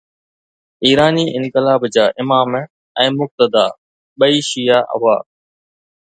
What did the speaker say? ايراني انقلاب جا امام ۽ مقتدا ٻئي شيعه هئا.